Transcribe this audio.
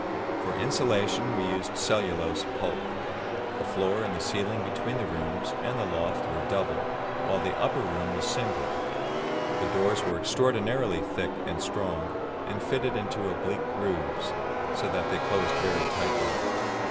For insulation we used cellulose pulp. The floor and the ceiling between the rooms and the loft were double, while the upper roof was single. The doors were extraordinarily thick and strong, and fitted into oblique grooves, so that they closed very tightly.